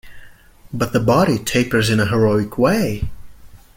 But the body tapers in a heroic way.